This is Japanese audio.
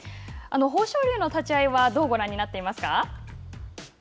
豊昇龍の立ち合いはどうご覧になっていますか。